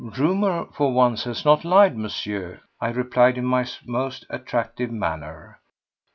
"Rumour for once has not lied, Monsieur," I replied in my most attractive manner.